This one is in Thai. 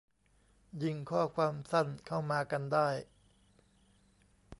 ยิงข้อความสั้นเข้ามากันได้